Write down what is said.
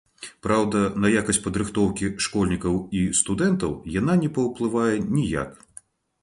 Праўда, на якасць падрыхтоўкі школьнікаў і студэнтаў яна не паўплывае ніяк.